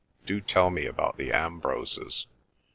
"Do tell me about the Ambroses.